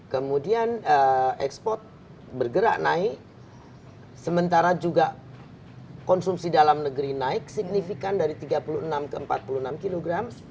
kemudian ekspor bergerak naik sementara juga konsumsi dalam negeri naik signifikan dari tiga puluh enam ke empat puluh enam kilogram